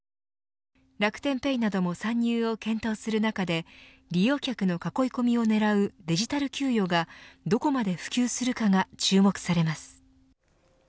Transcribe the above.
楽天ペイなども参入を検討する中で利用客の囲い込みを狙うデジタル給与がどこまで普及するかが注目されます。